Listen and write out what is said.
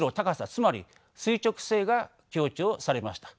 つまり垂直性が強調されました。